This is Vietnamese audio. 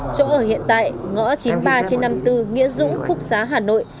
chỗ ở hiện tại ngõ chín mươi ba trên năm mươi bốn nghĩa dũng phúc xá hà nội